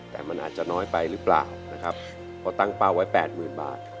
แต่มันอาจจะน้อยไปหรือเปล่านะครับเพราะตั้งเป้าไว้แปดหมื่นบาท